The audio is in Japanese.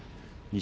錦